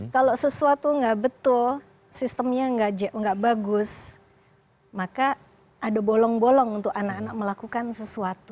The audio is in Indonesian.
kalau sesuatu nggak betul sistemnya nggak bagus maka ada bolong bolong untuk anak anak melakukan sesuatu